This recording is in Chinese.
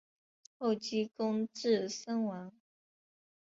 后积功至森王。